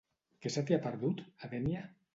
Què se t'hi ha perdut, a Dénia?